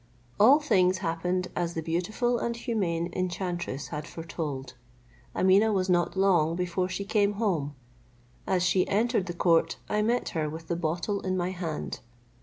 All things happened as the beautiful and humane enchantress had foretold. Ameeneh was not long before she came home. As she entered the court, I met her with the bottle in my hand.